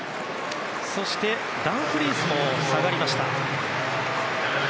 そして、ダンフリースも下がりました。